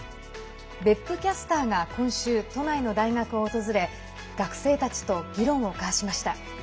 別府キャスターが今週都内の大学を訪れ学生たちと議論を交わしました。